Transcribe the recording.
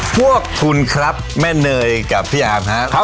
พวกคุณครับแม่เนยกับพี่อาร์มครับ